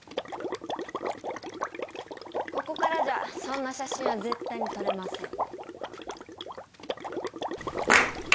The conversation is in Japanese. ここからじゃそんな写真は絶対に撮れません。